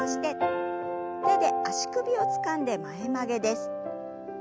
手で足首をつかんで前曲げです。